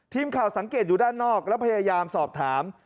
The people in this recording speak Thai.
ทีมข่าวสังเกตอยู่ด้านนอกแล้วพยายามสอบถาม